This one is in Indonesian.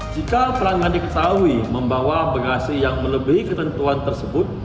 jika pelanggan diketahui membawa begasi yang melebihi ketentuan tersebut